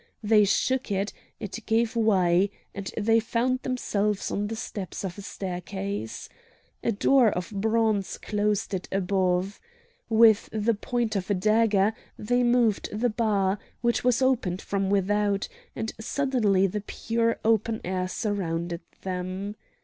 They shook it, it gave way, and they found themselves on the steps of a staircase. A door of bronze closed it above. With the point of a dagger they moved the bar, which was opened from without, and suddenly the pure open air surrounded them.